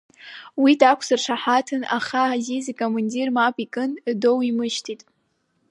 Уи дақәсыршаҳаҭын, аха Азиз икомандир мап икын доуимышьҭит.